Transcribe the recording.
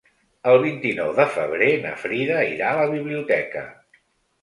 El vint-i-nou de febrer na Frida irà a la biblioteca.